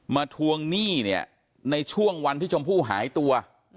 มาทวงหนี้ในช่วงวันที่จมภู่หายตัว